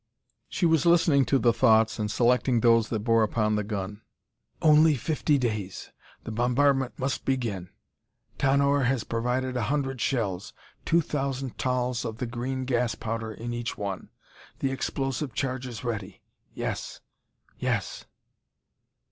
She was listening to the thoughts, and selecting those that bore upon gun. "... Only fifty days ... the bombardment must begin ... Tahnor has provided a hundred shells; two thousand tals of the green gas powder in each one ... the explosive charges ready ... yes yes!..."